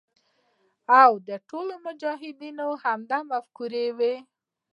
او د ټولو مجاهدینو همدا مفکوره وي.